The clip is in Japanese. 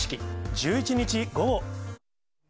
１１日午後。